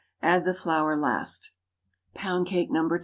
Add the flour last. POUND CAKE (_No. 2.